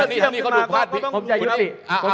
อ่าผมขอทั้งนี้ก่อน